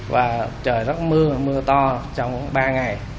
và trời rất mưa mưa to trong ba ngày